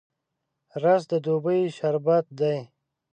رس د دوبي شربت دی